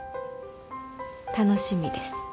楽しみです。